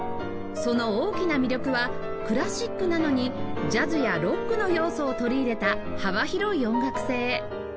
その大きな魅力はクラシックなのにジャズやロックの要素を取り入れた幅広い音楽性